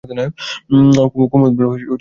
কুমুদ বলে, দরজা খুলে দাও মতি।